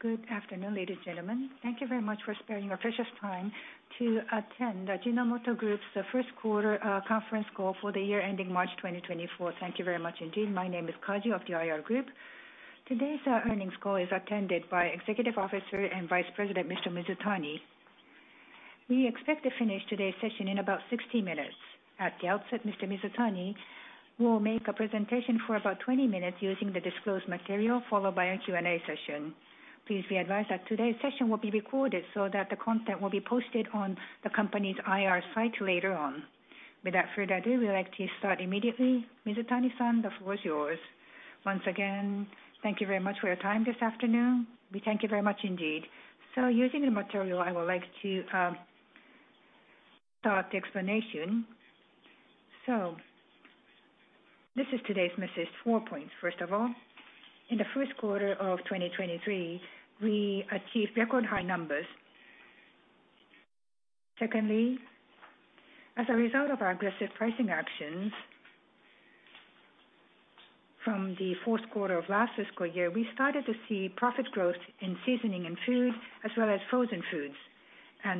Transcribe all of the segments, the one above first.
Good afternoon, ladies and gentlemen. Thank you very much for sparing your precious time to attend the Ajinomoto Group's Q1 conference call for the year ending March 2024. Thank you very much indeed. My name is Kaji of the IR Group. Today's earnings call is attended by Executive Officer and Vice President, Mr. Mizutani. We expect to finish today's session in about 60 minutes. At the outset, Mr. Mizutani will make a presentation for about 20 minutes using the disclosed material, followed by a Q&A session. Please be advised that today's session will be recorded so that the content will be posted on the company's IR site later on. Without further ado, we would like to start immediately. Mizutani-san, the floor is yours. Once again, thank you very much for your time this afternoon. We thank you very much indeed. Using the material, I would like to start the explanation. This is today's message, four points. First of all, in the Q1 of 2023, we achieved record high numbers. Secondly, as a result of our aggressive pricing actions from the Q4 of last fiscal year, we started to see profit growth in seasoning and food, as well as frozen foods.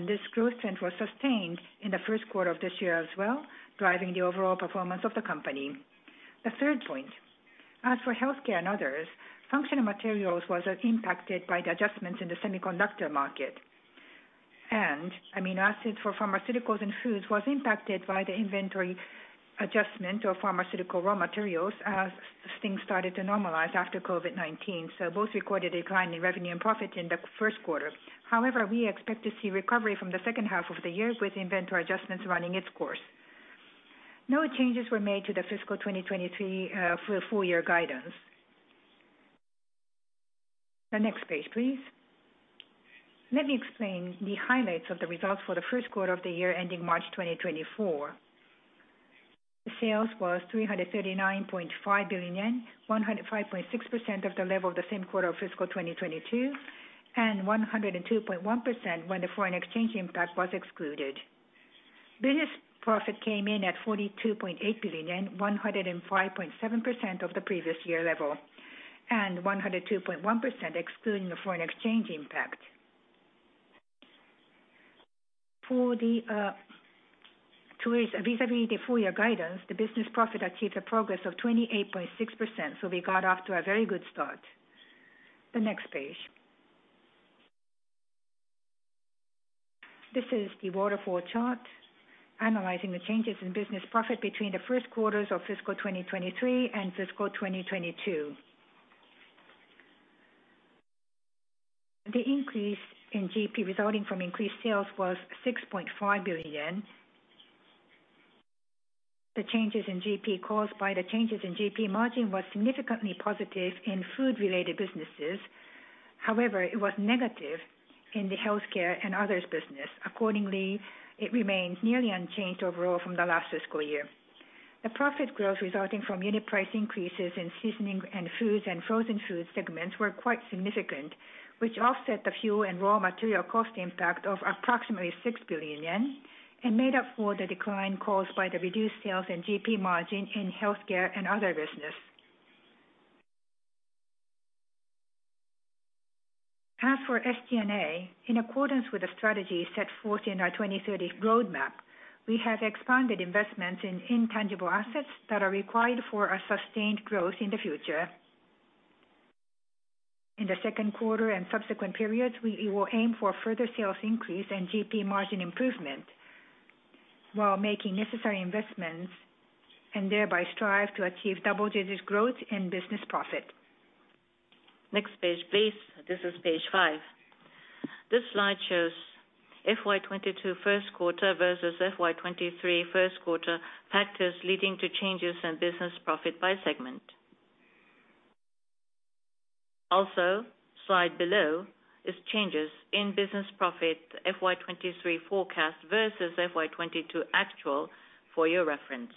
This growth trend was sustained in the Q1 of this year as well, driving the overall performance of the company. The third point, as for Healthcare and others, Functional Materials was impacted by the adjustments in the semiconductor market. amino acids for pharmaceuticals and foods was impacted by the inventory adjustment of pharmaceutical raw materials as things started to normalize after COVID-19. Both recorded a decline in revenue and profit in the Q1. However, we expect to see recovery from the second half of the year with inventory adjustments running its course. No changes were made to the fiscal 2023 for full year guidance. The next page, please. Let me explain the highlights of the results for the Q1 of the year ending March 2024. The sales was 339.5 billion yen, 105.6% of the level of the same quarter of fiscal 2022, and 102.1% when the foreign exchange impact was excluded. Business profit came in at 42.8 billion yen, 105.7% of the previous year level, and 102.1%, excluding the foreign exchange impact. For the towards, vis-a-vis the full year guidance, the business profit achieved a progress of 28.6%, so we got off to a very good start. The next page. This is the waterfall chart analyzing the changes in business profit between the Q1s of fiscal 2023 and fiscal 2022. The increase in GP resulting from increased sales was 6.5 billion yen. The changes in GP caused by the changes in GP margin was significantly positive in food-related businesses. It was negative in the healthcare and others business. It remains nearly unchanged overall from the last fiscal year. The profit growth resulting from unit price increases in seasoning and foods and frozen food segments were quite significant, which offset the fuel and raw material cost impact of approximately 6 billion yen and made up for the decline caused by the reduced sales and GP margin in healthcare and other business. As for SG&A, in accordance with the strategy set forth in our 2030 Roadmap, we have expanded investments in intangible assets that are required for a sustained growth in the future. In the Q2 and subsequent periods, we will aim for further sales increase and GP margin improvement, while making necessary investments, and thereby strive to achieve double-digit growth in business profit. Next page, please. This is page 5. This slide shows FY 2022 Q1 versus FY 2023 Q1 factors leading to changes in business profit by segment. Slide below is changes in business profit FY 2023 forecast versus FY 2022 actual for your reference.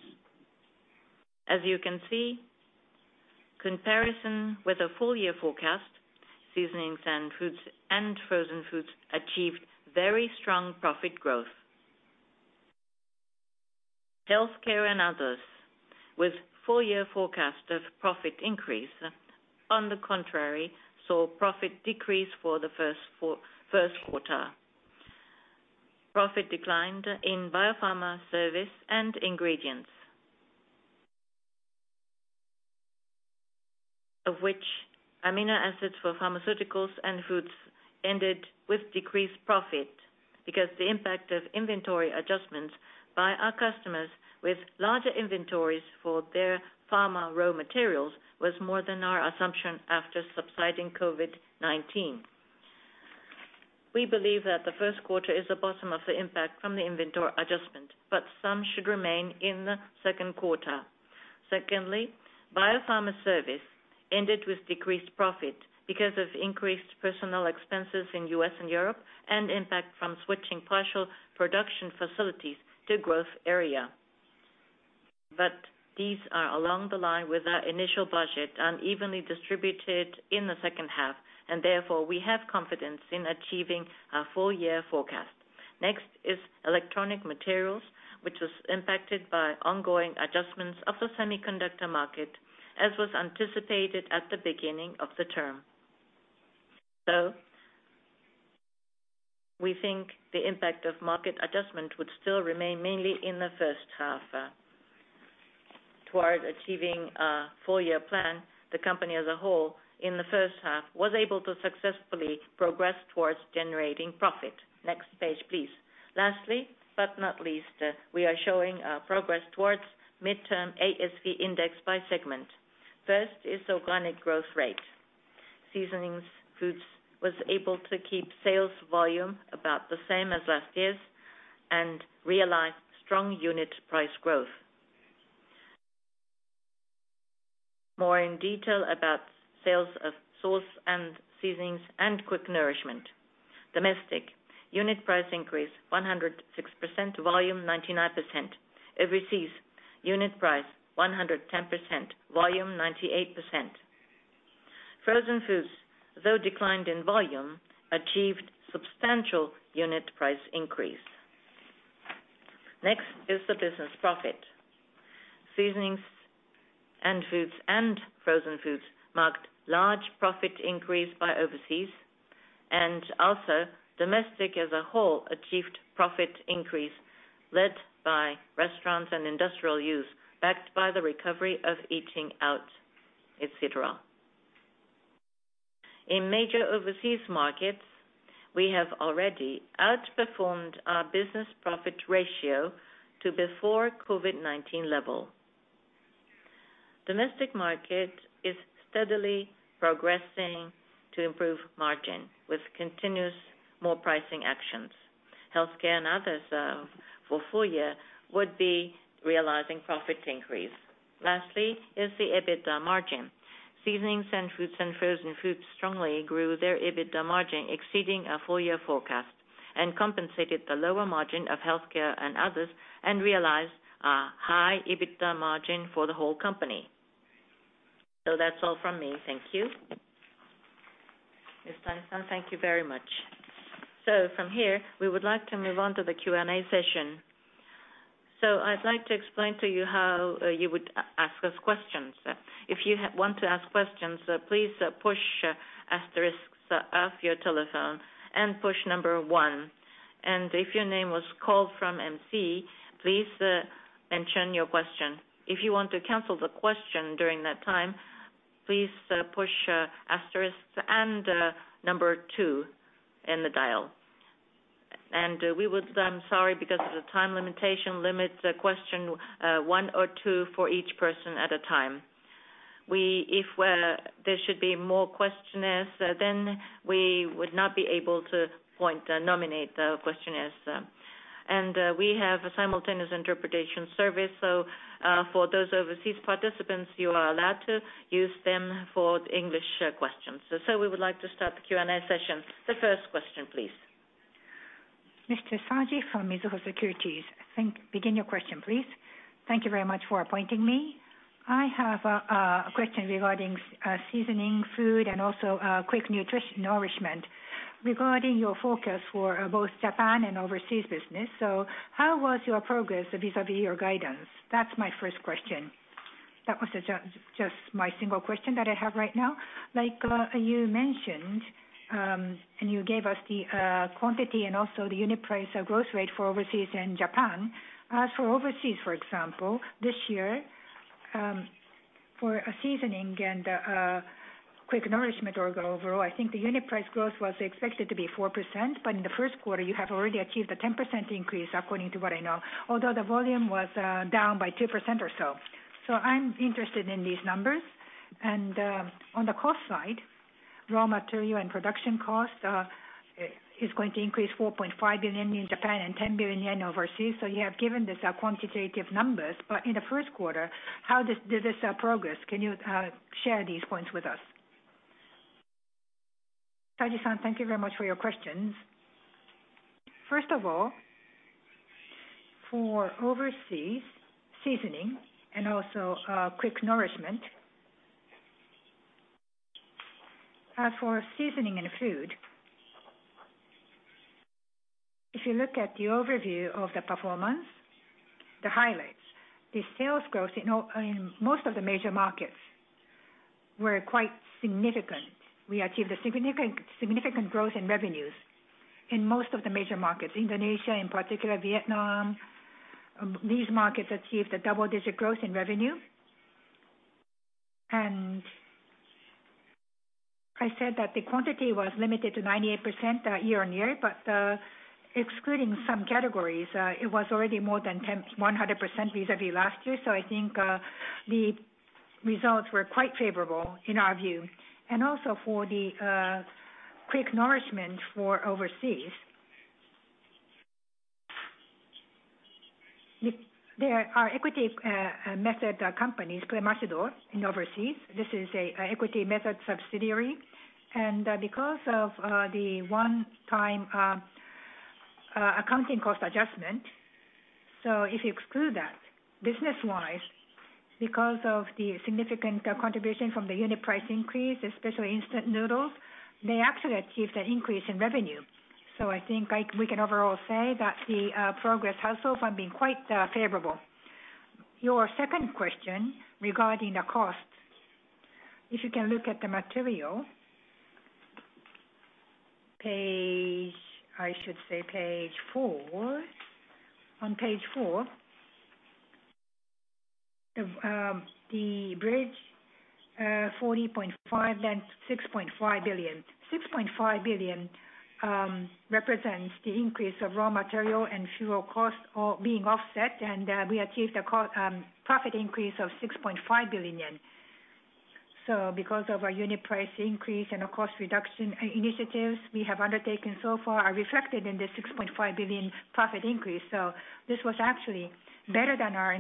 As you can see, comparison with the full year forecast, Seasonings and Foods and Frozen Foods strongly achieved very strong profit growth. Healthcare and others, with full year forecast of profit increase, on the contrary, saw profit decrease for the Q1. Profit declined in Bio-Pharma Services and Ingredients, of which amino acids for pharmaceuticals and foods ended with decreased profit because the impact of inventory adjustments by our customers with larger inventories for their pharma raw materials was more than our assumption after subsiding COVID-19. We believe that the Q1 is the bottom of the impact from the inventory adjustment, but some should remain in the Q2. Secondly, Bio-Pharma Services ended with decreased profit because of increased personnel expenses in U.S. and Europe, and impact from switching partial production facilities to growth area. These are along the line with our initial budget, unevenly distributed in the second half, and therefore, we have confidence in achieving our full year forecast. Next is electronic materials, which was impacted by ongoing adjustments of the semiconductor market, as was anticipated at the beginning of the term. We think the impact of market adjustment would still remain mainly in the first half, towards achieving a full year plan. The company as a whole, in the first half, was able to successfully progress towards generating profit. Next page, please. Lastly, but not least, we are showing progress towards midterm ASV index by segment. First is organic growth rate. Seasonings foods was able to keep sales volume about the same as last year's and realize strong unit price growth. More in detail about sales of Sauce and Seasonings and Quick Nourishment. Domestic, unit price increase 106%, volume 99%. Overseas, unit price 110%, volume 98%. Frozen foods, though declined in volume, achieved substantial unit price increase. Next is the business profit. Seasonings and foods and frozen foods marked large profit increase by overseas, and also domestic as a whole achieved profit increase led by restaurants and industrial use, backed by the recovery of eating out, et cetera. In major overseas markets, we have already outperformed our business profit ratio to before COVID-19 level. Domestic market is steadily progressing to improve margin with continuous more pricing actions. Healthcare and others, for full year would be realizing profit increase. Lastly is the EBITDA margin. Seasonings and Foods and frozen foods strongly grew their EBITDA margin, exceeding our full year forecast, and compensated the lower margin of Healthcare and others, and realized a high EBITDA margin for the whole company. That's all from me. Thank you. Ms. Mizutani-san, thank you very much. From here, we would like to move on to the Q&A session. I'd like to explain to you how you would ask us questions. If you want to ask questions, please push asterisks of your telephone and push number 1. If your name was called from MC, please mention your question. If you want to cancel the question during that time, please push asterisks and two in the dial. Sorry, because of the time limitation, limit question one or two for each person at a time. If there should be more questioners, then we would not be able to point, nominate the questioners. We have a simultaneous interpretation service, so for those overseas participants, you are allowed to use them for the English questions. We would like to start the Q&A session. The first question, please. Mr. Saji from Mizuho Securities. Begin your question, please. Thank you very much for appointing me. I have a question regarding seasoning, food, and also Quick Nourishment, regarding your focus for both Japan and overseas business. How was your progress vis-à-vis your guidance? That's my first question. That was just my single question that I have right now. Like you mentioned, and you gave us the quantity and also the unit price or growth rate for overseas and Japan. As for overseas, for example, this year, for a seasoning and Quick Nourishment, or overall, I think the unit price growth was expected to be 4%, but in the Q1, you have already achieved a 10% increase, according to what I know, although the volume was down by 2% or so. I'm interested in these numbers. On the cost side, raw material and production cost is going to increase 4.5 billion in Japan and 10 billion yen overseas. You have given this quantitative numbers, but in the Q1, how does this progress? Can you share these points with us? Saji-san, thank you very much for your questions. First of all, for overseas seasoning and also, Quick Nourishment. As for seasoning and food, if you look at the overview of the performance, the highlights, the sales growth in all, in most of the major markets were quite significant. We achieved a significant growth in revenues in most of the major markets. Indonesia, in particular Vietnam, these markets achieved a double-digit growth in revenue. `I said that the quantity was limited to 98% year-on-year, but excluding some categories, it was already more than 100% vis-à-vis last year. I think the results were quite favorable in our view. Also for the, Quick Nourishment for overseas. There are equity method companies, Promasidor in overseas. This is an equity method subsidiary. Because of the one-time accounting cost adjustment. If you exclude that, business wise, because of the significant contribution from the unit price increase, especially instant noodles, they actually achieved an increase in revenue. I think, like, we can overall say that the progress has so far been quite favorable. Your second question regarding the cost, if you can look at the material, page, I should say page 4. On page 4, the bridge 40.5 billion, then 6.5 billion. 6.5 billion represents the increase of raw material and fuel costs all being offset, we achieved a profit increase of 6.5 billion yen. Because of our unit price increase and our cost reduction initiatives we have undertaken so far are reflected in this 6.5 billion profit increase. This was actually better than our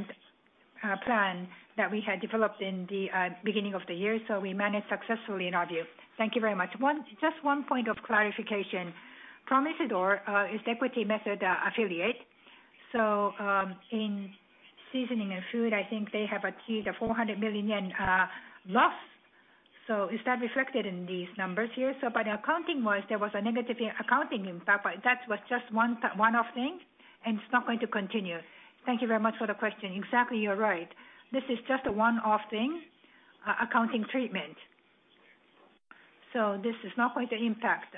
plan that we had developed in the beginning of the year, so we managed successfully in our view. Thank you very much. One, just one point of clarification. Promasidor is equity method affiliate. In seasoning and food, I think they have achieved a 400 million yen loss. Is that reflected in these numbers here? Accounting wise, there was a negative accounting impact, that was just one-off thing, it's not going to continue. Thank you very much for the question. Exactly. You're right. This is just a one-off thing, accounting treatment. This is not going to impact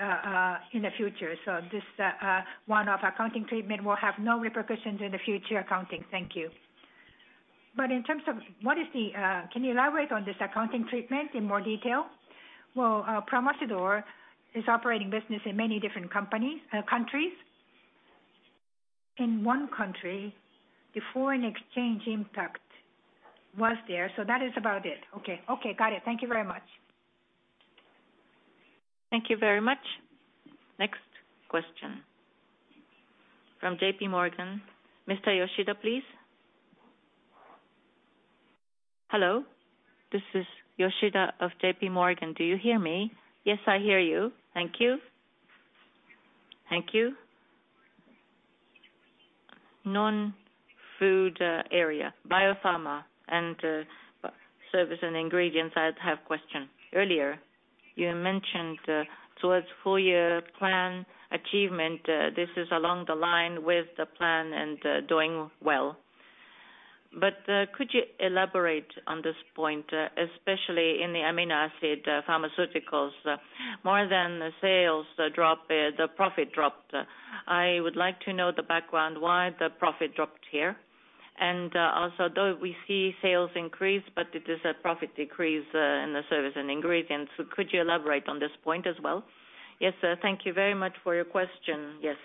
in the future. This one-off accounting treatment will have no repercussions in the future accounting. Thank you. In terms of what is the, can you elaborate on this accounting treatment in more detail? Well, Promasidor is operating business in many different countries. In one country, the foreign exchange impact was there, so that is about it. Okay, got it. Thank you very much. Thank you very much. Next question from JPMorgan. Mr. Yoshida, please. Hello, this is Yoshida of JPMorgan. Do you hear me? Yes, I hear you.. Thank you. Non-food area, Bio-Pharma and Services & Ingredients, I have question. Earlier, you mentioned towards full year plan achievement, this is along the line with the plan and doing well. Could you elaborate on this point, especially in the amino acid pharmaceuticals, more than the sales drop, the profit dropped. I would like to know the background why the profit dropped here, also though we see sales increase, but it is a profit decrease in the Services & Ingredients. Could you elaborate on this point as well? Yes, sir. Thank you very much for your question. Yes.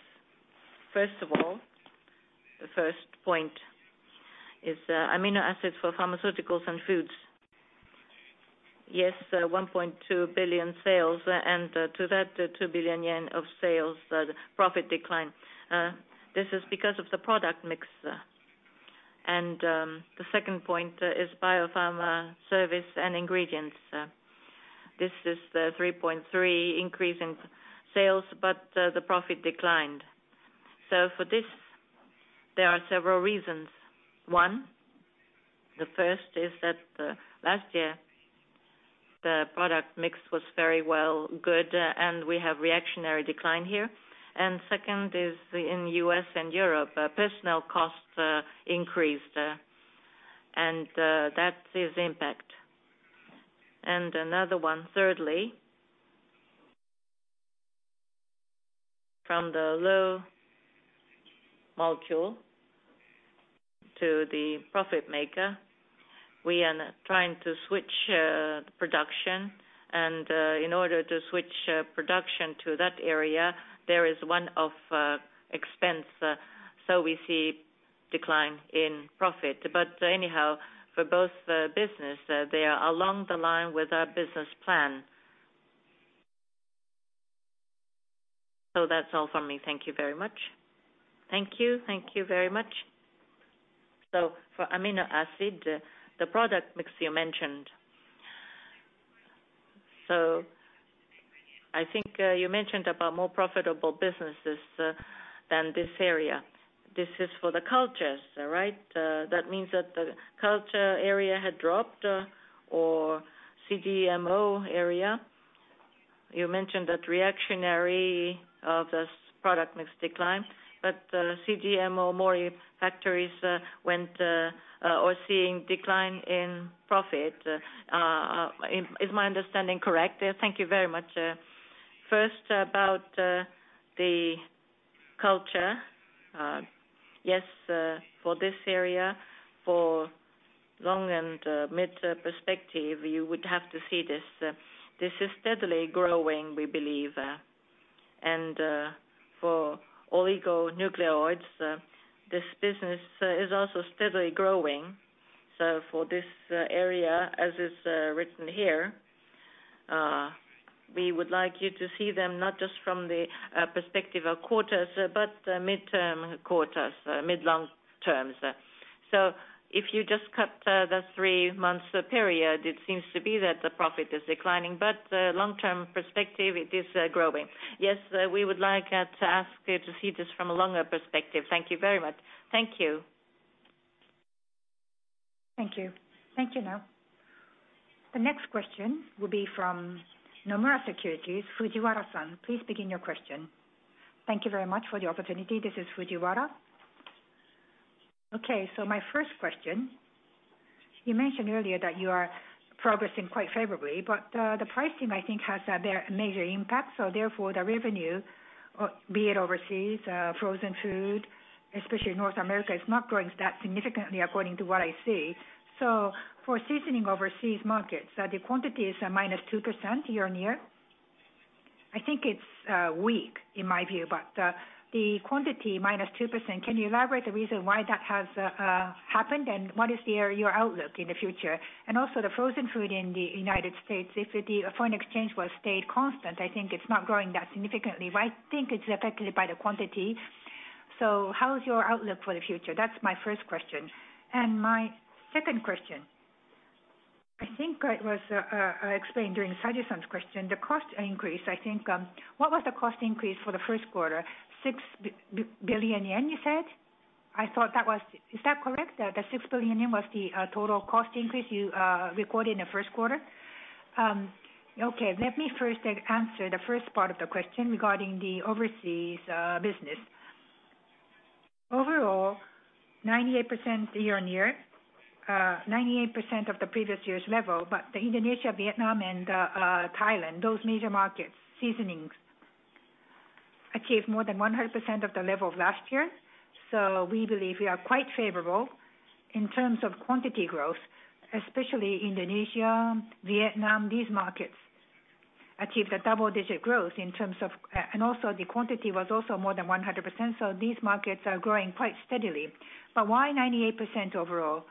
First of all, the first point is amino acids for pharmaceuticals and foods. Yes, 1.2 billion sales and to that 2 billion yen of sales, the profit declined. This is because of the product mix. The second point is Bio-Pharma Services & Ingredients. This is the 3.3 increase in sales, but the profit declined. For this, there are several reasons. One, the first is that last year, the product mix was very well good, and we have reactionary decline here. Second is in U.S. and Europe, personnel costs increased, and that is impact. Another one, thirdly, from the small molecule to the profit maker, we are trying to switch production. In order to switch production to that area, there is one-off expense, so we see decline in profit. Anyhow, for both the business, they are along the line with our business plan. That's all from me. Thank you very much. Thank you. Thank you very much. For amino acid, the product mix you mentioned. I think you mentioned about more profitable businesses than this area. This is for the cultures, right? That means that the culture area had dropped or CDMO area. You mentioned that reactionary of this product mix decline, CDMO more factories went or seeing decline in profit. Is my understanding correct? Thank you very much. First, about the culture. Yes, for this area, for long and mid-term perspective, you would have to see this. This is steadily growing, we believe, and for oligonucleotides, this business is also steadily growing. For this area, as is written here, we would like you to see them not just from the perspective of quarters, but midterm quarters, mid-long terms. If you just cut, the three-month period, it seems to be that the profit is declining, long-term perspective, it is growing. Yes, we would like to ask you to see this from a longer perspective. Thank you very much. Thank you. Thank you, ma'am. The next question will be from Nomura Securities, Fujiwara-san, please begin your question. Thank you very much for the opportunity. This is Fujiwara. My first question, you mentioned earlier that you are progressing quite favorably, the pricing, I think, has a very major impact. Therefore, the revenue, be it overseas, frozen food, especially North America, is not growing that significantly according to what I see. For seasoning overseas markets, the quantity is -2% year-on-year. I think it's weak in my view, but the quantity -2%, can you elaborate the reason why that has happened, and what is your outlook in the future? The frozen food in the United States, if the foreign exchange will stay constant, I think it's not growing that significantly. I think it's affected by the quantity. How is your outlook for the future? That's my first question. My second question, I think it was explained during Saji-san's question, the cost increase, I think, what was the cost increase for the Q1? 6 billion yen, you said? I thought that was... Is that correct, that the 6 billion yen was the total cost increase you recorded in the Q1? Okay, let me first answer the first part of the question regarding the overseas business. Overall, 98% year-on-year, 98% of the previous year's level, but the Indonesia, Vietnam and Thailand, those major markets, seasonings achieved more than 100% of the level of last year. We believe we are quite favorable in terms of quantity growth, especially Indonesia, Vietnam. These markets achieved a double-digit growth in terms of. Also, the quantity was also more than 100%, these markets are growing quite steadily. Why 98% overall?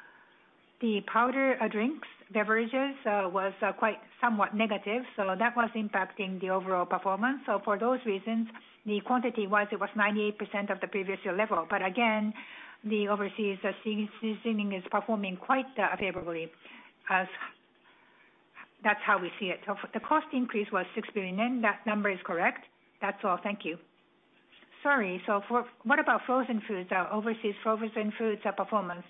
The powdered drinks, beverages, was quite somewhat negative, that was impacting the overall performance. For those reasons, the quantity was, it was 98% of the previous year level. Again, the overseas seasoning is performing quite favorably, as that's how we see it. The cost increase was 6 billion yen, and that number is correct. That's all. Thank you. Sorry, what about frozen foods, overseas frozen foods, performance?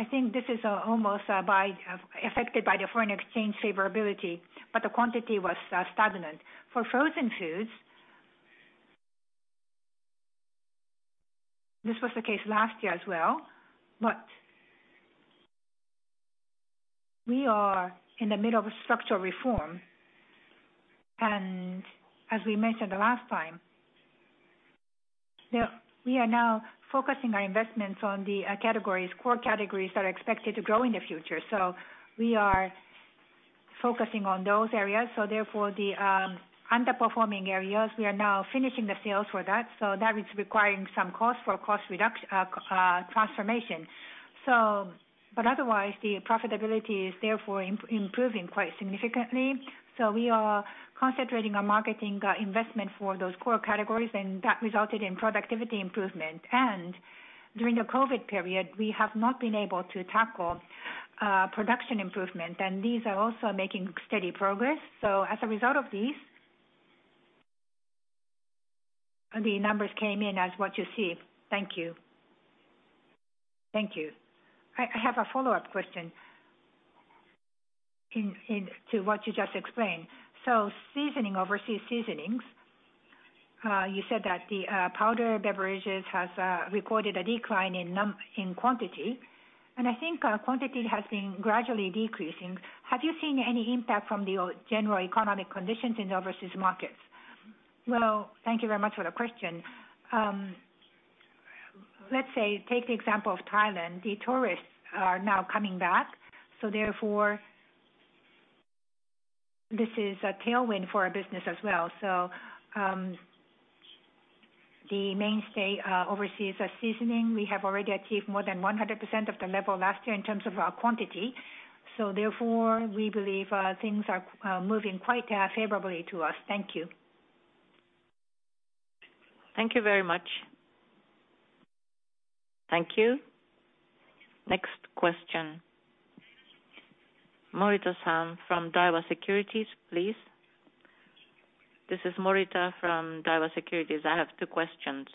I think this is almost affected by the foreign exchange favorability, but the quantity was stagnant. For frozen foods, this was the case last year as well, but we are in the middle of a structural reform, and as we mentioned the last time, the we are now focusing our investments on the categories, core categories that are expected to grow in the future. We are focusing on those areas. Therefore, the underperforming areas, we are now finishing the sales for that. That is requiring some cost for cost reduct transformation. But otherwise, the profitability is therefore improving quite significantly. We are concentrating our marketing investment for those core categories, and that resulted in productivity improvement. During the COVID period, we have not been able to tackle production improvement, and these are also making steady progress. As a result of these, the numbers came in as what you see. Thank you. Thank you. I have a follow-up question in to what you just explained. Seasoning, overseas seasonings, you said that the powder beverages has recorded a decline in quantity, and I think quantity has been gradually decreasing. Have you seen any impact from the general economic conditions in the overseas markets? Well, thank you very much for the question. Let's say, take the example of Thailand. The tourists are now coming back, so therefore, this is a tailwind for our business as well. The mainstay overseas seasoning, we have already achieved more than 100% of the level last year in terms of quantity. Therefore, we believe things are moving quite favorably to us. Thank you. Thank you very much. Thank you. Next question. Morita-san from Daiwa Securities, please. This is Morita from Daiwa Securities. I have two questions.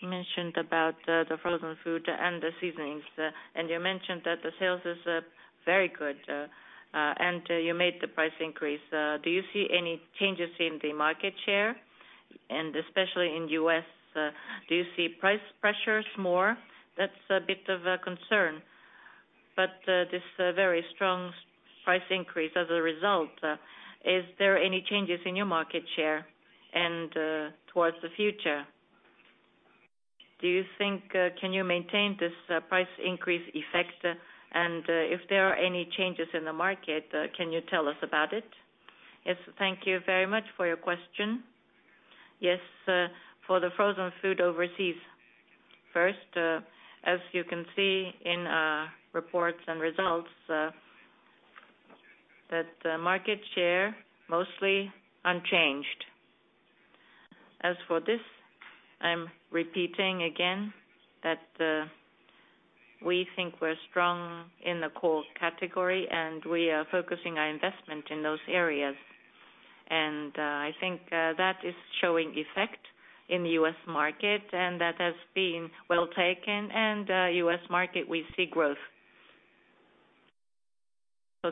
You mentioned about, the frozen food and the seasonings, and you mentioned that the sales is very good, and you made the price increase. Do you see any changes in the market share, and especially in U.S., do you see price pressures more? That's a bit of a concern, but this very strong price increase as a result, is there any changes in your market share? Towards the future, do you think, can you maintain this price increase effect? If there are any changes in the market, can you tell us about it? Yes. Thank you very much for your question. Yes, for the frozen food overseas, first, as you can see in reports and results, that the market share mostly unchanged. As for this, I'm repeating again that, we think we're strong in the core category, and we are focusing our investment in those areas. I think that is showing effect in the U.S. market and that has been well taken. U.S. market, we see growth.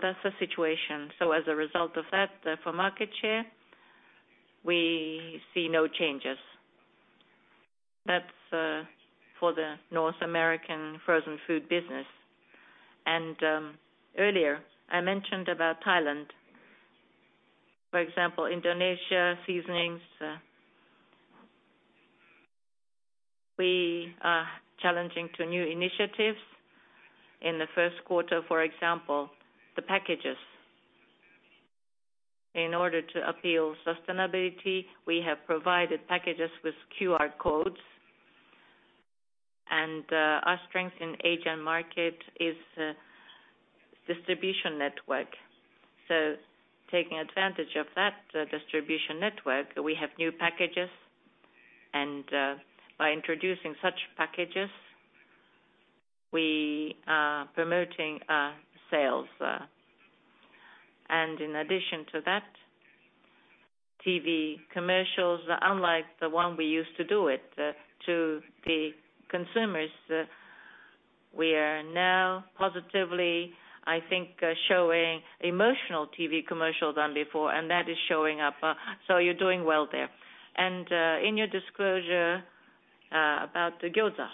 That's the situation. As a result of that, for market share, we see no changes. That's for the North American frozen food business. Earlier, I mentioned about Thailand. For example, Indonesia seasonings, we are challenging to new initiatives. In the Q1, for example, the packages. In order to appeal sustainability, we have provided packages with QR codes. Our strength in Asian market is distribution network. Taking advantage of that, distribution network, we have new packages, and by introducing such packages, we are promoting sales. In addition to that, TV commercials, unlike the one we used to do it, to the consumers, we are now positively, I think, showing emotional TV commercials than before, and that is showing up. You're doing well there. In your disclosure, about the Gyoza,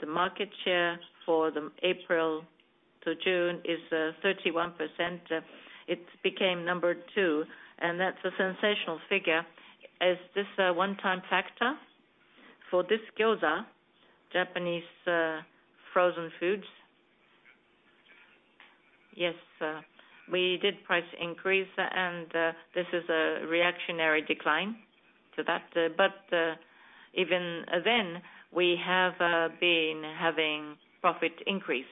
the market share for the April to June is 31%. It became number two, and that's a sensational figure. Is this a one-time factor? For this Gyoza, Japanese frozen foods? Yes, we did price increase, and this is a reactionary decline to that. Even then, we have been having profit increase.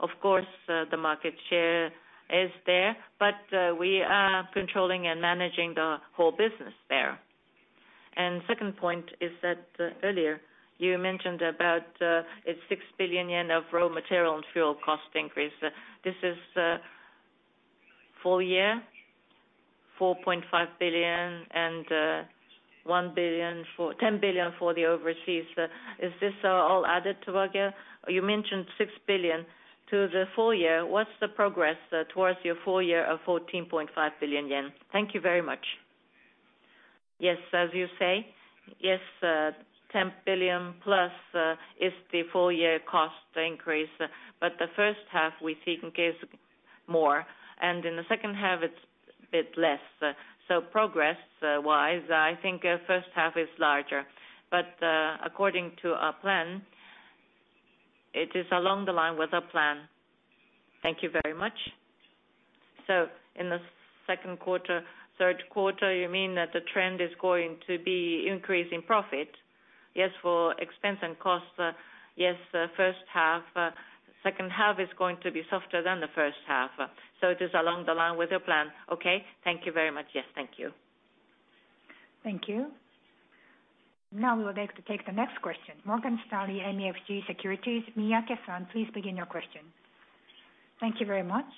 Of course, the market share is there, but we are controlling and managing the whole business there. Second point is that earlier you mentioned about a 6 billion yen of raw material and fuel cost increase. This is full year, 4.5 billion and 1 billion for—JPY 10 billion for the overseas. Is this all added together? You mentioned 6 billion to the full year. What's the progress towards your full year of 14.5 billion yen? Thank you very much. Yes, as you say, yes, 10 billion+ is the full year cost increase. The first half, we think is more, and in the second half, it's a bit less. Progress wise, I think, first half is larger. According to our plan, it is along the line with our plan. Thank you very much. In the Q2, Q3, you mean that the trend is going to be increase in profit? Yes, for expense and costs, yes, first half. Second half is going to be softer than the first half. It is along the line with your plan. Okay. Thank you very much. Yes, thank you. Thank you. Now we would like to take the next question. Morgan Stanley MUFG Securities, Miyake-san, please begin your question. Thank you very much.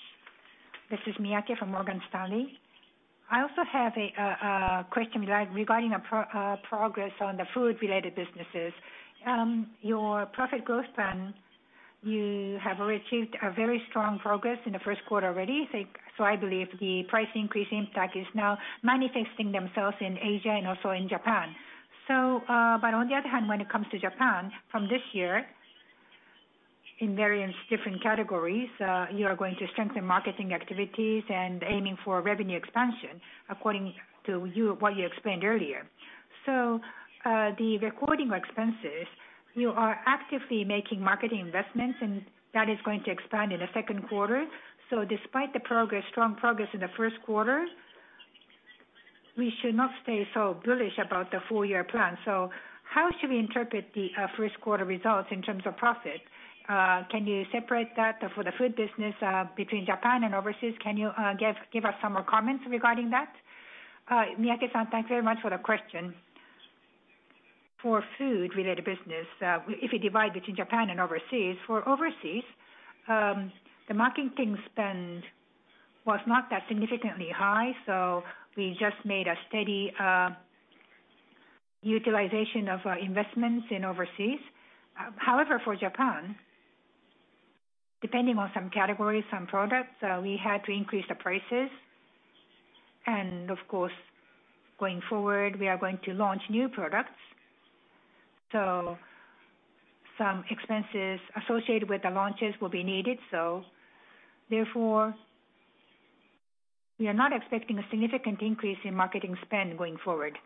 This is Miyake from Morgan Stanley. I also have a question regarding progress on the food-related businesses. Your profit growth plan, you have already achieved a very strong progress in the Q1 already. I believe the price increase impact is now manifesting themselves in Asia and also in Japan. On the other hand, when it comes to Japan, from this year, in various different categories, you are going to strengthen marketing activities and aiming for revenue expansion, according to you, what you explained earlier. The recording expenses, you are actively making marketing investments, and that is going to expand in the Q2. Despite the progress, strong progress in the Q1, we should not stay so bullish about the full year plan. How should we interpret the Q1 results in terms of profit? Can you separate that for the food business between Japan and overseas? Can you give us some more comments regarding that? Miyake-san, thanks very much for the question. For food-related business, if you divide between Japan and overseas, for overseas, the marketing spend was not that significantly high, so we just made a steady utilization of our investments in overseas. However, for Japan, depending on some categories, some products, we had to increase the prices. Of course, going forward, we are going to launch new products, so some expenses associated with the launches will be needed. Therefore, we are not expecting a significant increase in marketing spend going forward.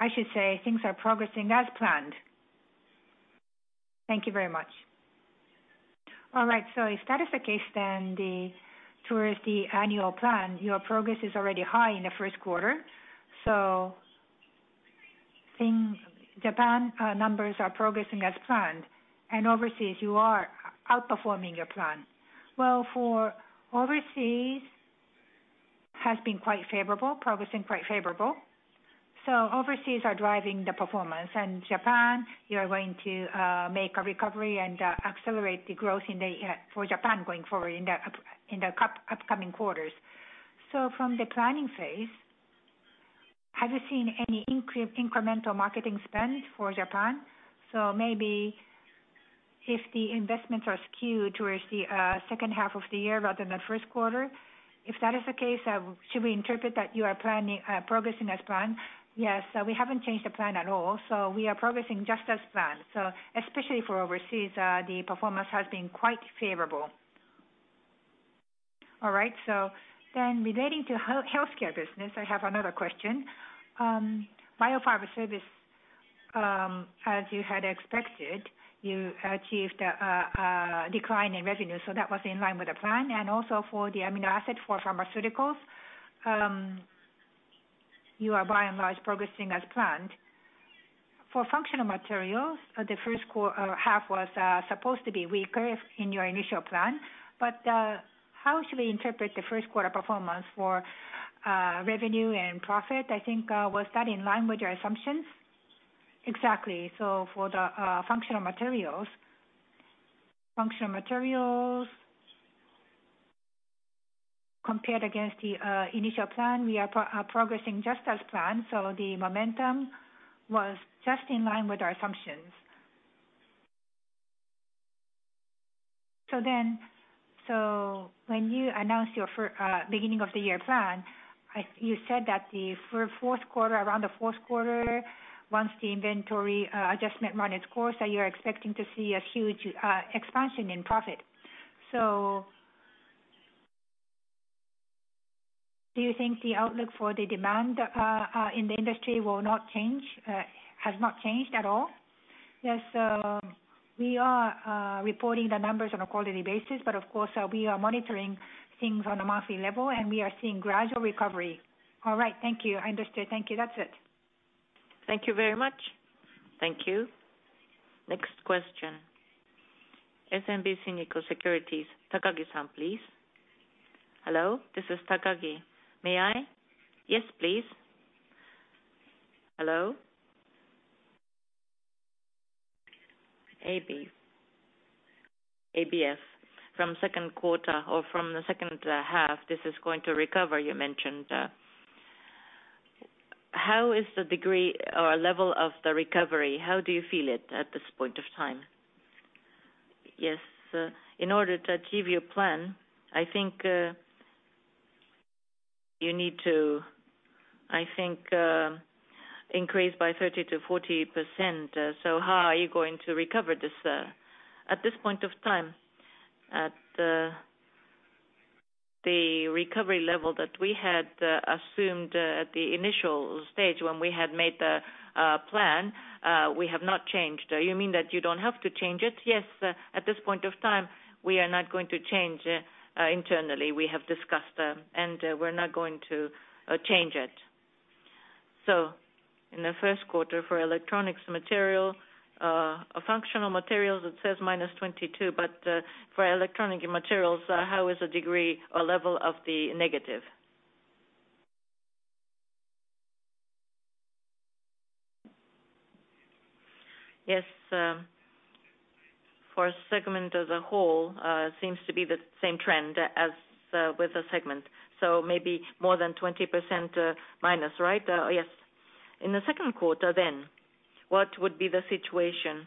I should say things are progressing as planned. Thank you very much. All right. So if that is the case, then the, towards the annual plan, your progress is already high in the Q1. I think Japan numbers are progressing as planned, and overseas, you are outperforming your plan. Well, for overseas, has been quite favorable, progressing quite favorable. Overseas are driving the performance, and Japan, you are going to make a recovery and accelerate the growth in the for Japan going forward in the upcoming quarters. From the planning phase, have you seen any incremental marketing spend for Japan? Maybe if the investments are skewed towards the second half of the year rather than the Q1, if that is the case, should we interpret that you are planning, progressing as planned? Yes. We haven't changed the plan at all. We are progressing just as planned. Especially for overseas, the performance has been quite favorable. Relating to healthcare business, I have another question. Ajinomoto Bio-Pharma Services, as you had expected, you achieved a decline in revenue, so that was in line with the plan, and also for the amino acids for pharmaceuticals, you are by and large progressing as planned. For Functional Materials, the first half was supposed to be weaker in your initial plan. How should we interpret the Q1 performance for revenue and profit? Was that in line with your assumptions? Exactly. For the Functional Materials, Functional Materials, compared against the initial plan, we are progressing just as planned, so the momentum was just in line with our assumptions. When you announced your beginning of the year plan, you said that the Q4, around the Q4, once the inventory adjustment run its course, that you're expecting to see a huge expansion in profit. Do you think the outlook for the demand in the industry will not change, has not changed at all? Yes. We are reporting the numbers on a quarterly basis, but of course, we are monitoring things on a monthly level, and we are seeing gradual recovery. All right. Thank you. I understand. Thank you. That's it. Thank you very much. Thank you. Next question. SMBC Nikko Securities, Takagi-san, please. Hello, this is Takagi. May I? Yes, please. Hello? ABF, from Q2 or from the second half, this is going to recover, you mentioned. How is the degree or level of the recovery? How do you feel it at this point of time? Yes, In order to achieve your plan, I think, you need to, I think, increase by 30%-40%. How are you going to recover this, at this point of time? At the recovery level that we had assumed, at the initial stage when we had made the plan, we have not changed. You mean that you don't have to change it? Yes. At this point of time, we are not going to change internally. We have discussed, we're not going to change it. In the Q1 for electronic materials, Functional Materials, it says -22%, for electronic materials, how is the degree or level of the negative? Yes. For a segment as a whole, seems to be the same trend as with the segment, so maybe more than -20%, right? Yes. In the Q2, what would be the situation?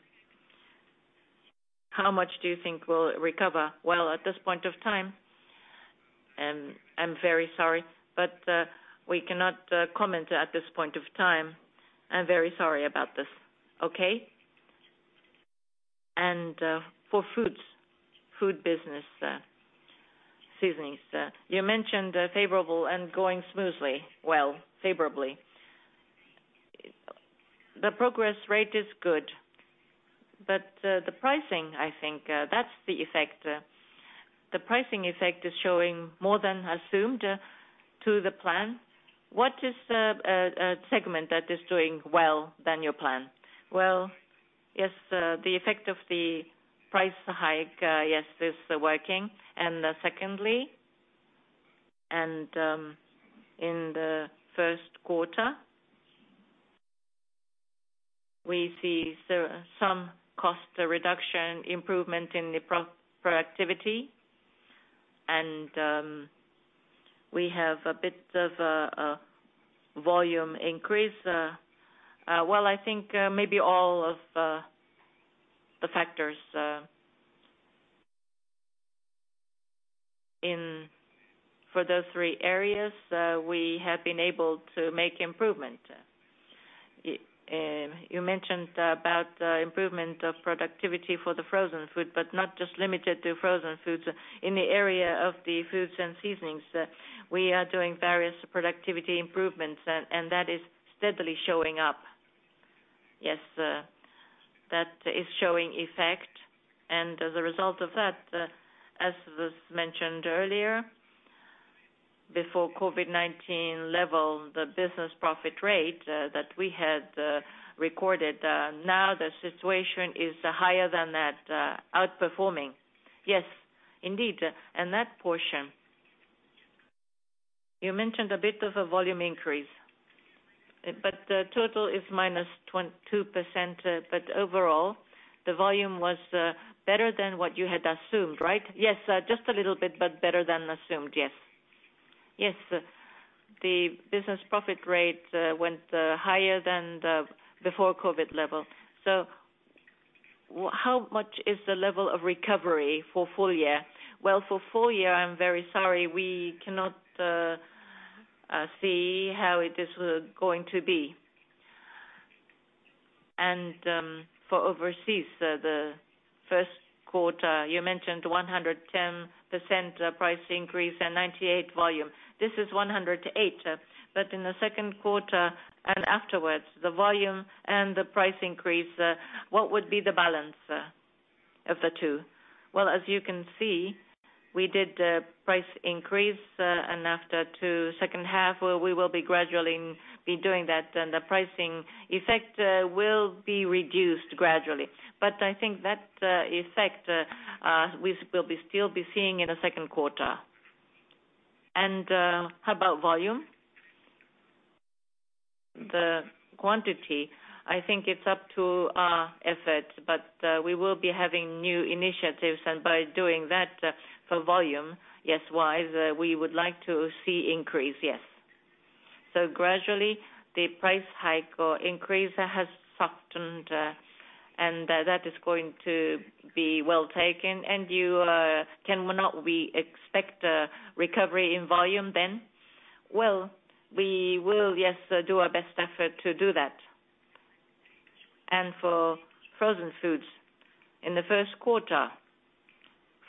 How much do you think will recover? Well, at this point of time, I'm very sorry, we cannot comment at this point of time. I'm very sorry about this. Okay. For foods, food business, seasonings, you mentioned favorable and going smoothly, well, favorably. The progress rate is good, the pricing, I think, that's the effect. The pricing effect is showing more than assumed to the plan. What is the segment that is doing well than your plan? Well, yes, the effect of the price hike, yes, is working. Secondly, in the Q1, we see some cost reduction, improvement in the productivity, and we have a bit of a volume increase. Well, I think maybe all of the factors... In, for those three areas, we have been able to make improvement. You mentioned about the improvement of productivity for the frozen food, but not just limited to frozen foods. In the area of the Foods and Seasonings, we are doing various productivity improvements, and that is steadily showing up. Yes, that is showing effect, and as a result of that, as was mentioned earlier, before COVID-19 level, the business profit rate that we had recorded, now the situation is higher than that, outperforming. Yes, indeed. That portion, you mentioned a bit of a volume increase, but the total is -2%. Overall, the volume was better than what you had assumed, right? Yes, just a little bit, but better than assumed, yes. Yes, sir. The business profit rate went higher than the before COVID-19 level. How much is the level of recovery for full year? Well, for full year, I'm very sorry, we cannot see how it is going to be. For overseas, the Q1, you mentioned 110% price increase and 98% volume. This is 100 to eight, in the Q2 and afterwards, the volume and the price increase, what would be the balance of the two? As you can see, we did a price increase, and after to second half, where we will be gradually be doing that, then the pricing effect will be reduced gradually. I think that effect we will be still be seeing in the Q2. How about volume? The quantity, I think it's up to our effort, we will be having new initiatives, and by doing that, for volume wise, we would like to see increase. Gradually, the price hike or increase has softened, and that is going to be well taken, and you can, why not we expect a recovery in volume, then? Well, we will, yes, do our best efforts to do that. For frozen foods, in the Q1,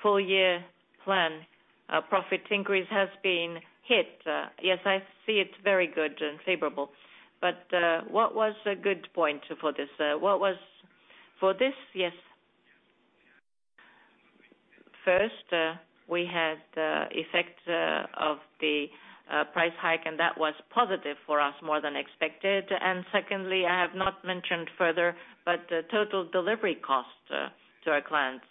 full year plan, profit increase has been hit. Yes, I see it's very good and favorable. What was a good point for this? For this? Yes. First, we had the effect of the price hike, and that was positive for us, more than expected. Secondly, I have not mentioned further, but the total delivery cost to our clients,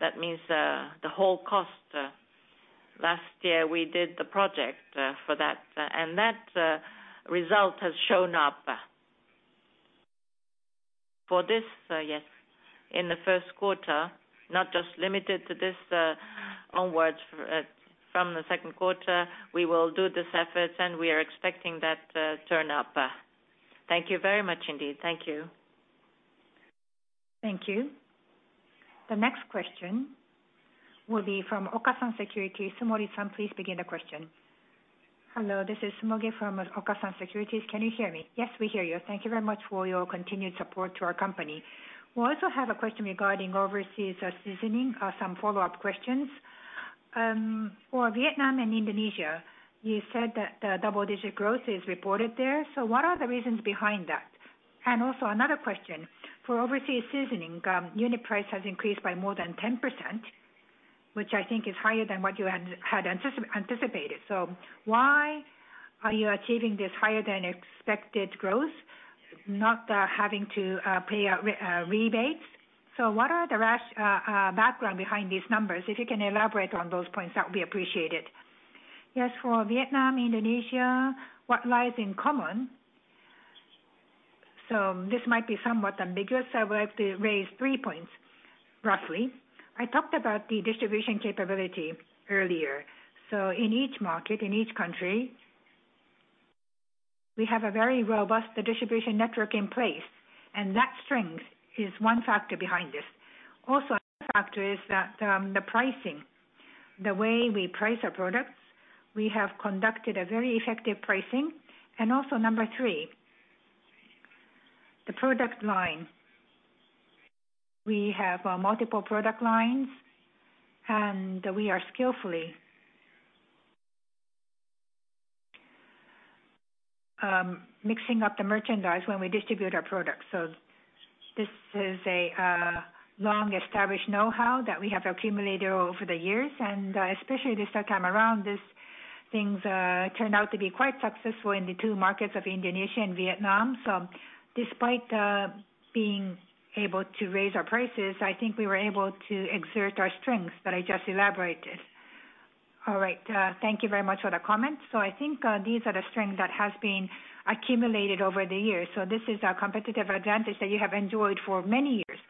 that means the whole cost. Last year, we did the project for that, and that result has shown up. For this, yes, in the Q1, not just limited to this, onwards, from the Q2, we will do this efforts, and we are expecting that turn up. Thank you very much, indeed. Thank you. Thank you. The next question will be from Okasan Securities. Sumori-san, please begin the question. Hello, this is Sumori-san from Okasan Securities. Can you hear me? Yes, we hear you. Thank you very much for your continued support to our company. We also have a question regarding overseas seasoning, some follow-up questions. For Vietnam and Indonesia, you said that the double-digit growth is reported there. What are the reasons behind that? Also another question: for overseas seasoning, unit price has increased by more than 10%, which I think is higher than what you had anticipated. Why are you achieving this higher than expected growth, not having to pay out rebates? What are the background behind these numbers? If you can elaborate on those points, that would be appreciated. Yes, for Vietnam, Indonesia, what lies in common? This might be somewhat ambiguous. I would like to raise three points, roughly. I talked about the distribution capability earlier. In each market, in each country, we have a very robust distribution network in place, and that strength is one factor behind this. Also, another factor is that the pricing, the way we price our products, we have conducted a very effective pricing. Also number three, the product line. We have multiple product lines, and we are skillfully mixing up the merchandise when we distribute our products. This is a long-established know-how that we have accumulated over the years, and especially this time around, these things turned out to be quite successful in the two markets of Indonesia and Vietnam. Despite being able to raise our prices, I think we were able to exert our strengths that I just elaborated. All right. Thank you very much for the comment. I think, these are the strengths that has been accumulated over the years. This is a competitive advantage that you have enjoyed for many years.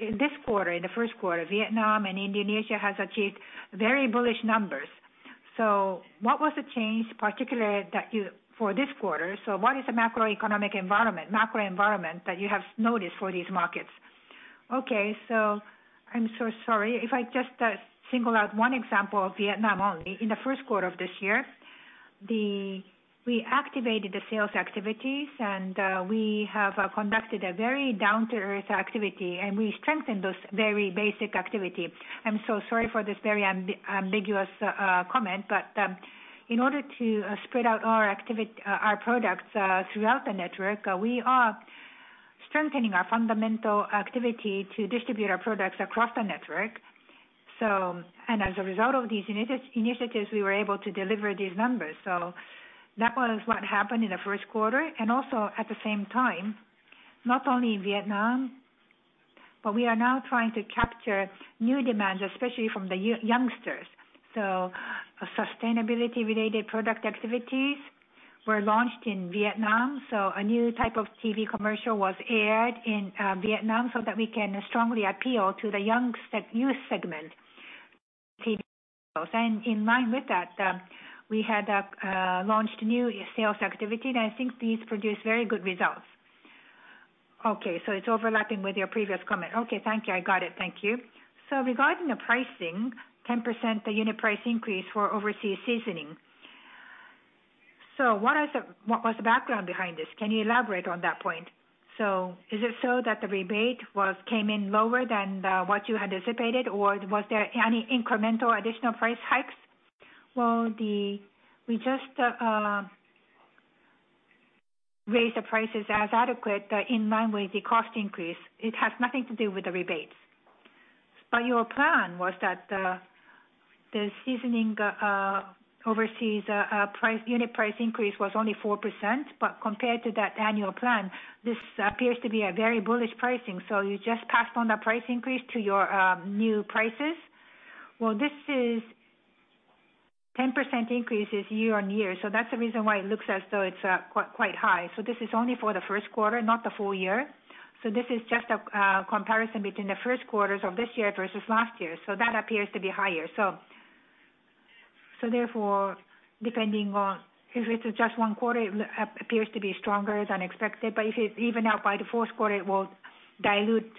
In this quarter, in the Q1, Vietnam and Indonesia has achieved very bullish numbers. What was the change, particularly for this quarter, what is the macroeconomic environment, macro environment that you have noticed for these markets? Okay, I'm so sorry. If I just single out one example of Vietnam only, in the Q1 of this year, we activated the sales activities, and we have conducted a very down-to-earth activity, and we strengthened those very basic activity. I'm so sorry for this very ambiguous comment, in order to spread out our products throughout the network, we are strengthening our fundamental activity to distribute our products across the network. And as a result of these initiatives, we were able to deliver these numbers. That was what happened in the Q1, and also at the same time, not only in Vietnam, but we are now trying to capture new demands, especially from the youngsters. A sustainability related product activities were launched in Vietnam, so a new type of TV commercial was aired in Vietnam so that we can strongly appeal to the young youth segment TV. In line with that, we had launched new sales activity, and I think these produce very good results. Okay, it's overlapping with your previous comment. Okay, thank you. I got it. Thank you. Regarding the pricing, 10% the unit price increase for overseas seasoning. What was the background behind this? Can you elaborate on that point? Is it so that the rebate was came in lower than what you had anticipated, or was there any incremental additional price hikes? Well, the, we just, raised the prices as adequate, in line with the cost increase. It has nothing to do with the rebates. Your plan was that the seasoning overseas price, unit price increase was only 4%, but compared to that annual plan, this appears to be a very bullish pricing. You just passed on the price increase to your new prices? Well, this is 10% increase is year-on-year, so that's the reason why it looks as though it's quite high. This is only for the Q1, not the full year. This is just a comparison between the Q1s of this year versus last year. That appears to be higher. Therefore, depending on if it is just one quarter, it appears to be stronger than expected, but if it even out by the Q4, it will dilute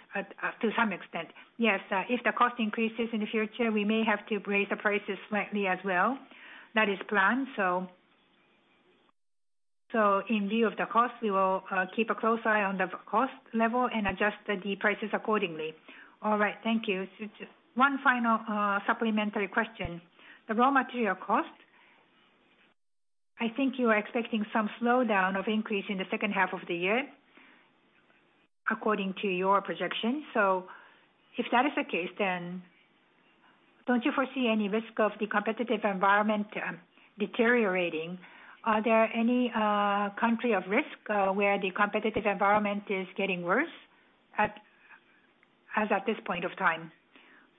to some extent. Yes, if the cost increases in the future, we may have to raise the prices slightly as well. That is planned, so. In view of the cost, we will keep a close eye on the cost level and adjust the prices accordingly. All right. Thank you. One final supplementary question. The raw material cost, I think you are expecting some slowdown of increase in the second half of the year according to your projection. If that is the case, then don't you foresee any risk of the competitive environment deteriorating? Are there any country of risk where the competitive environment is getting worse at, as at this point of time?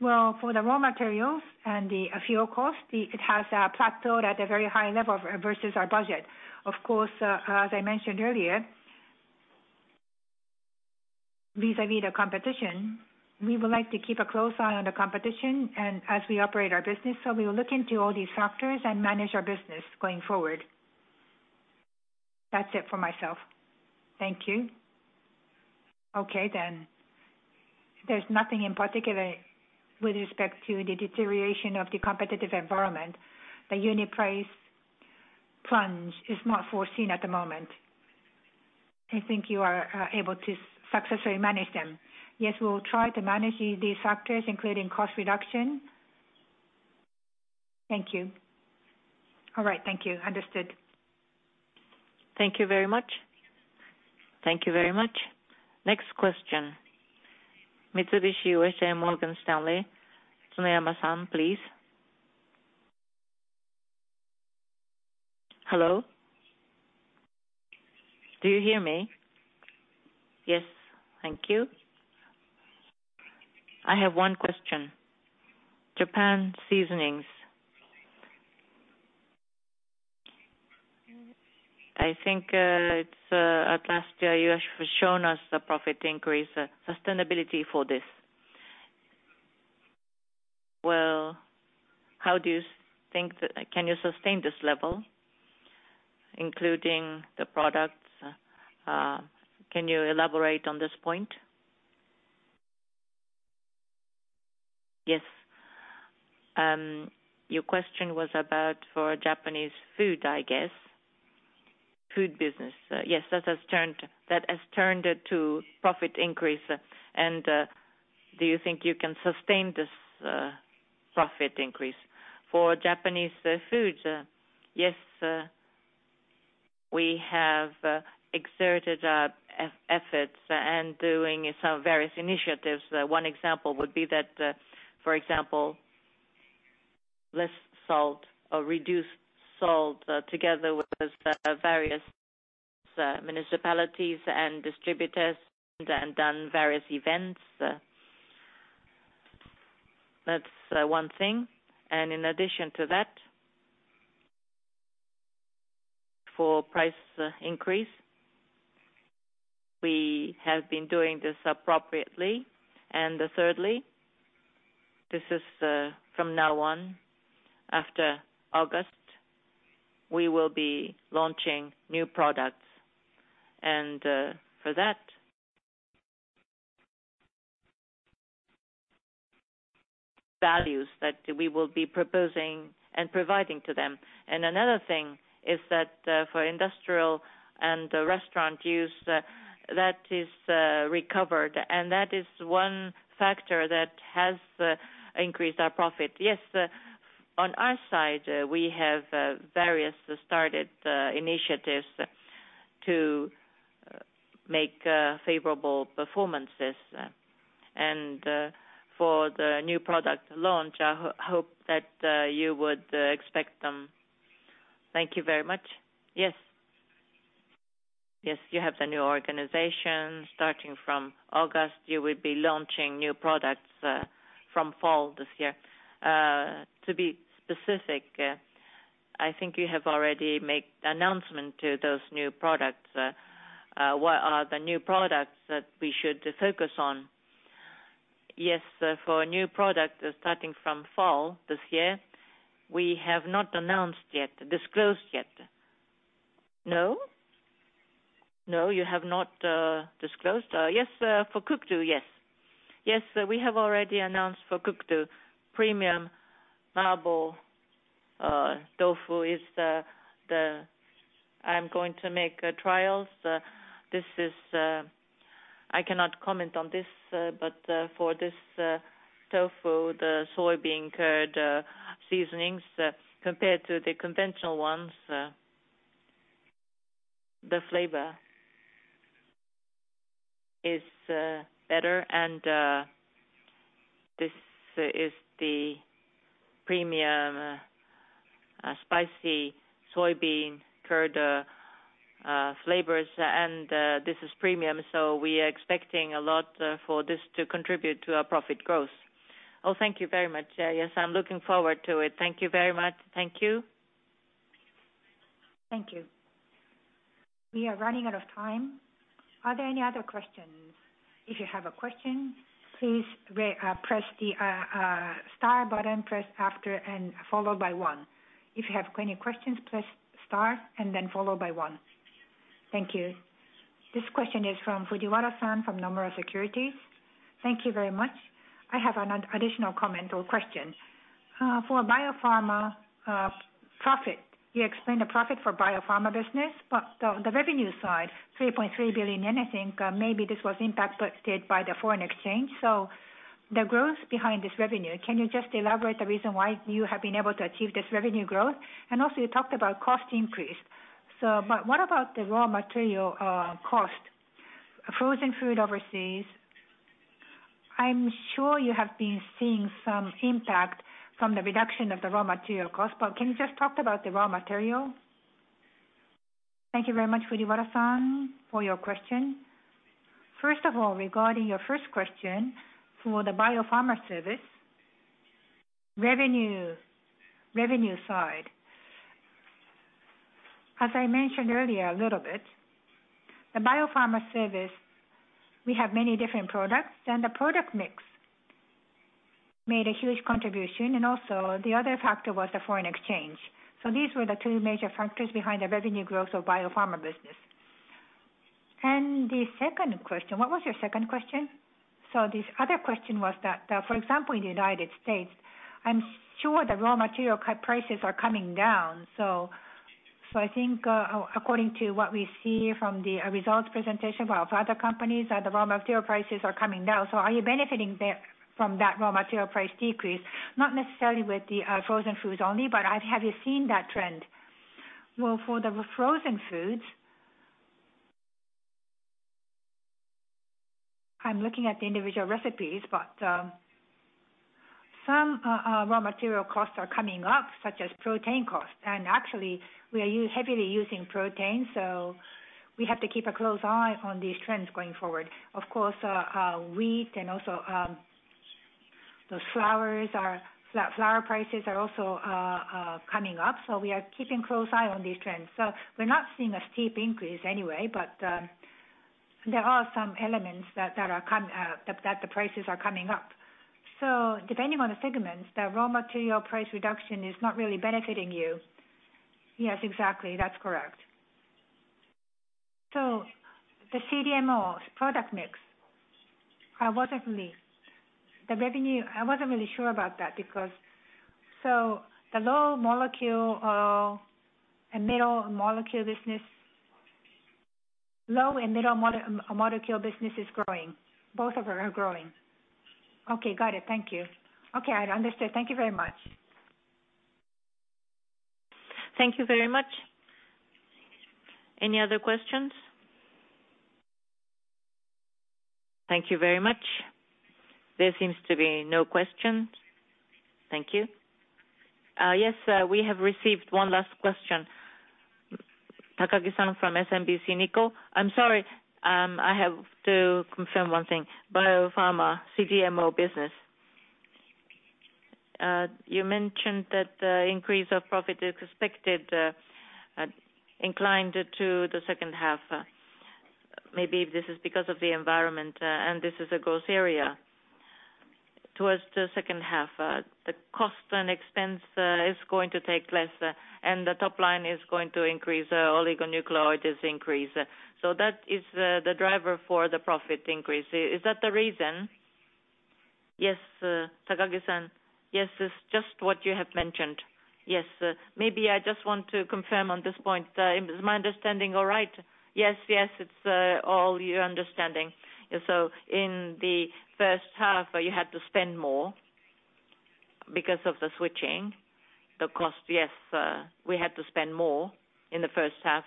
Well, for the raw materials and the fuel cost, it has, plateaued at a very high level versus our budget. Of course, as I mentioned earlier, vis-a-vis the competition, we would like to keep a close eye on the competition and as we operate our business, we will look into all these factors and manage our business going forward. That's it for myself. Thank you. Okay. There's nothing in particular with respect to the deterioration of the competitive environment. The unit price plunge is not foreseen at the moment. I think you are able to successfully manage them. Yes, we will try to manage these factors, including cost reduction. Thank you. All right, thank you. Understood. Thank you very much. Thank you very much. Next question. Mitsubishi UFJ Morgan Stanley Securities, Tsuneyama San, please. Hello? Do you hear me? Yes. Thank you. I have one question. Japan Seasonings. I think, it's, last year you have shown us the profit increase, sustainability for this. Well, how do you think that... Can you sustain this level, including the products? Can you elaborate on this point? Yes. Your question was about for Japanese food, I guess. Food business. Yes, that has turned, that has turned it to profit increase. Do you think you can sustain this profit increase? For Japanese foods, yes, we have exerted efforts and doing some various initiatives. One example would be that, for example, less salt or reduced salt, together with various municipalities and distributors and done various events. That's one thing. In addition to that, for price increase, we have been doing this appropriately. Thirdly, this is from now on, after August, we will be launching new products. For that... values that we will be proposing and providing to them. Another thing is that, for industrial and the restaurant use, that is recovered, and that is one factor that has increased our profit. Yes, on our side, we have various started initiatives to make favorable performances. For the new product launch, I hope that you would expect them. Thank you very much. Yes? Yes, you have the new organization. Starting from August, you will be launching new products from fall this year. To be specific, I think you have already made announcement to those new products. What are the new products that we should focus on? Yes, for new product, starting from fall this year, we have not announced yet, disclosed yet. No? No, you have not disclosed. Yes, for Cook Do, yes. Yes, we have already announced for Cook Do premium mala tofu is the. I'm going to make trials. This is, I cannot comment on this, but for this tofu, the soybean curd, seasonings, compared to the conventional ones, the flavor is better, and this is the premium spicy soybean curd flavors, and this is premium, we are expecting a lot for this to contribute to our profit growth. Oh, thank you very much. Yes, I'm looking forward to it. Thank you very much. Thank you. Thank you. We are running out of time. Are there any other questions? If you have a question, please press the star button, press after and followed by one. If you have any questions, press star and then followed by one. Thank you. This question is from Fujiwara-san from Nomura Securities. Thank you very much. I have an additional comment or question. For biopharma profit, you explained the profit for biopharma business, but the revenue side, 3.3 billion, and I think maybe this was impacted by the foreign exchange. The growth behind this revenue, can you just elaborate the reason why you have been able to achieve this revenue growth? You talked about cost increase, what about the raw material cost? Frozen food overseas, I'm sure you have been seeing some impact from the reduction of the raw material cost, but can you just talk about the raw material? Thank you very much, Fujiwara-san, for your question. First of all, regarding your first question, for the biopharma service revenue side, as I mentioned earlier a little bit, the biopharma service, we have many different products, and the product mix made a huge contribution, and also the other factor was the foreign exchange. These were the two major factors behind the revenue growth of biopharma business. The second question, what was your second question? This other question was that, for example, in the United States, I'm sure the raw material prices are coming down. I think, according to what we see from the results presentation of other companies, that the raw material prices are coming down. Are you benefiting there, from that raw material price decrease? Not necessarily with the frozen foods only, but have you seen that trend? Well, for the frozen foods, I'm looking at the individual recipes, but, some raw material costs are coming up, such as protein costs. Actually, we are heavily using protein, so we have to keep a close eye on these trends going forward. Of course, wheat and also, those flowers are, flower prices are also coming up, so we are keeping close eye on these trends. We're not seeing a steep increase anyway, but, there are some elements that are come that the prices are coming up. Depending on the segments, the raw material price reduction is not really benefiting you. Yes, exactly. That's correct. The CDMO product mix, I wasn't really, the revenue, I wasn't really sure about that because. The small molecule, and middle molecule business- Low and middle molecule business is growing. Both of them are growing. Okay. Got it. Thank you. Okay, I understand. Thank you very much. Thank you very much. Any other questions? Thank you very much. There seems to be no questions. Thank you. Yes, we have received one last question. Takagi-san from SMBC Nikko Securities. I'm sorry, I have to confirm one thing. Bio-Pharma CDMO business. You mentioned that the increase of profit is expected, inclined to the second half. Maybe this is because of the environment, and this is a growth area. Towards the second half, the cost and expense is going to take less, and the top line is going to increase, oligonucleotides increase. So that is the driver for the profit increase. Is that the reason? Yes, Takagi-san. Yes, it's just what you have mentioned. Yes, maybe I just want to confirm on this point. Is my understanding all right? Yes, it's all your understanding. In the first half, you had to spend more because of the switching, the cost? Yes, we had to spend more in the first half,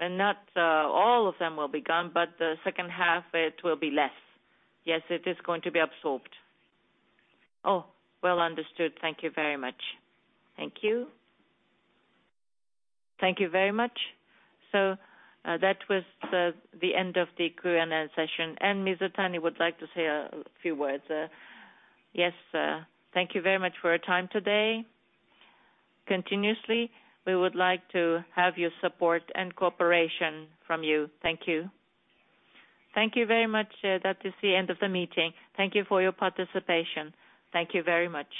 and not all of them will be gone, but the second half, it will be less. Yes, it is going to be absorbed. Oh, well understood. Thank you very much. Thank you very much. That was the end of the Q&A session, and Mizutani would like to say a few words. Yes, thank you very much for your time today. Continuously, we would like to have your support and cooperation from you. Thank you. Thank you very much. That is the end of the meeting. Thank you for your participation. Thank you very much.